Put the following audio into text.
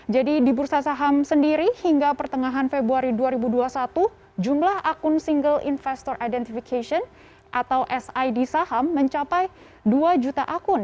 jadi di bursa saham sendiri hingga pertengahan februari dua ribu dua puluh satu jumlah akun single investor identification atau sid saham mencapai dua juta akun